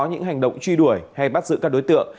những hành động truy đuổi hay bắt giữ các đối tượng